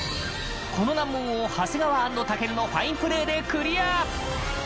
この難問を、長谷川＆健のファインプレーでクリア！